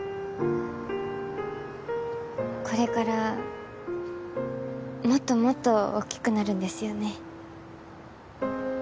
これからもっともっとおっきくなるんですよね